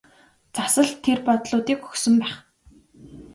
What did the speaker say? Цас л тэр бодлуудыг өгсөн байх.